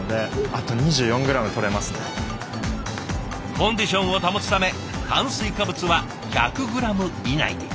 コンディションを保つため炭水化物は１００ｇ以内に。